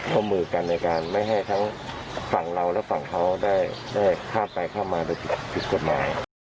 ร่วมมือกันในการไม่ให้ทั้งฝั่งเราและฝั่งเขาได้ได้ข้ามไปข้ามมา